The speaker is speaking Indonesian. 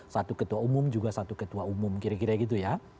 satu ketua umum juga satu ketua umum kira kira gitu ya